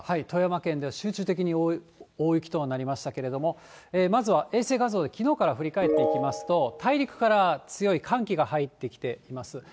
富山県で集中的に大雪となりましたけれども、まずは衛星画像で、きのうから振り返っていきますと、大陸から強い寒気が入ってきています。